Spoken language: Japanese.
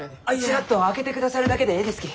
チラッと開けてくださるだけでえいですき。